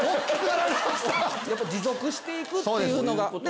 持続していくっていうのが。